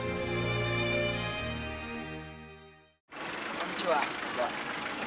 こんにちは。